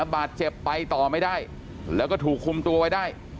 บาดเจ็บไปต่อไม่ได้แล้วก็ถูกคุมตัวไว้ได้